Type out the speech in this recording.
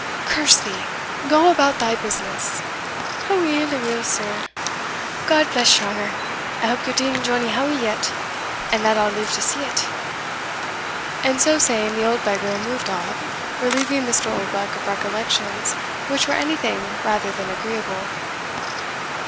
"Curse thee, go about thy business!" "Aweel, aweel, sir, God bless your honour! I hope ye'll ding Johnnie Howie yet, and that I'll live to see it." And so saying, the old beggar moved off, relieving Mr. Oldbuck of recollections which were anything rather than agreeable.